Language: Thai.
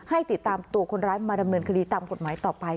ติดตามตัวคนร้ายมาดำเนินคดีตามกฎหมายต่อไป